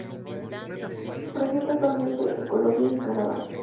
Presente actualmente en Colombia y en Canadá.